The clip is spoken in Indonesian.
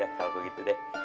ya kalau begitu deh